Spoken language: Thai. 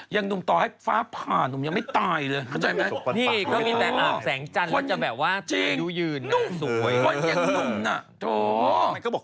หนุ่มต่อให้ฟ้าผ่านุ่มยังไม่ตายเลยเข้าใจไหม